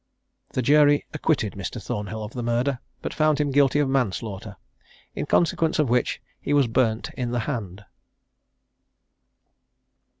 The jury acquitted Mr. Thornhill of the murder, but found him guilty of manslaughter; in consequence of which he was burnt in the hand.